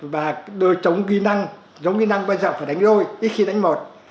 và đôi trống ghi năng trống ghi năng bao giờ phải đánh đôi ít khi đánh một